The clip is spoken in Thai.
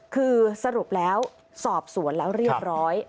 คือสรุปแล้วสอบสวนแล้วเรียบร้อย